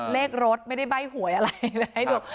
เลขรถไม่ได้ใบ้หวยอะไรเลยให้ดู